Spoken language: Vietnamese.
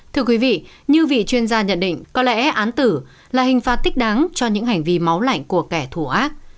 thưa quý vị như vị chuyên gia nhận định có lẽ án tử là hình phạt thích đáng cho những hành vi máu lạnh của kẻ thù ác